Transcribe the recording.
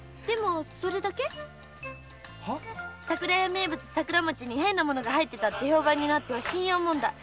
名物の桜餅に変なものが入っていると評判になったら信用問題。